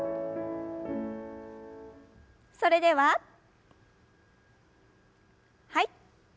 それでははい。